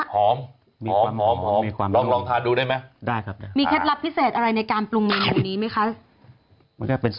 หอม